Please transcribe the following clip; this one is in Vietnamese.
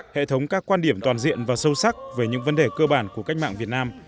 hệ thống các quan điểm toàn diện và sâu sắc về những vấn đề cơ bản của cách mạng việt nam